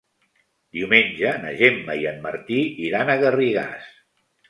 Diumenge na Gemma i en Martí iran a Garrigàs.